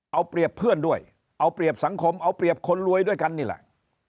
เอาเปรียบเพื่อนด้วยเอาเปรียบสังคมเอาเปรียบคนรวยด้วยกันนี่แหละ